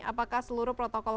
apakah seluruh protokol